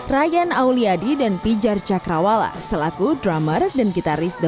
ryan auliadi dan pijar cakrawala selaku drummer dan gitaris